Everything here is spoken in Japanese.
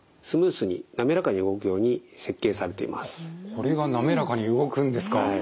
これが滑らかに動くんですか！